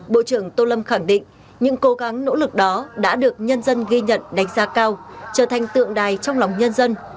bộ trưởng tô lâm khẳng định những cố gắng nỗ lực đó đã được nhân dân ghi nhận đánh giá cao trở thành tượng đài trong lòng nhân dân